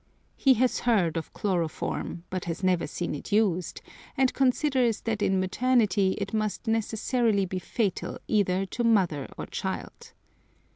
He has heard of chloroform, but has never seen it used, and considers that in maternity it must necessarily be fatal either to mother or child.